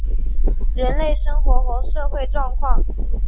人类生活和社会状况